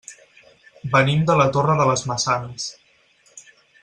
Venim de la Torre de les Maçanes.